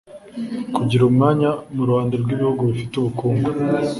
kugira umwanya mu ruhando rw’ibihugu bifite ubukungu